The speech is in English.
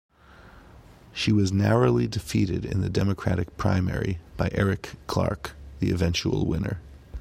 She was narrowly defeated in the Democratic primary by Eric Clark, the eventual winner.